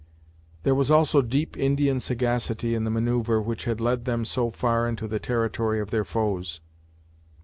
There was also deep Indian sagacity in the manoeuvre which had led them so far into the territory of their foes.